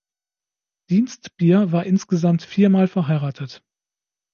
Dienstbier war insgesamt vier Mal verheiratet.